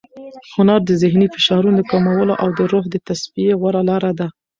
هنر د ذهني فشارونو د کمولو او د روح د تصفیې غوره لار ده.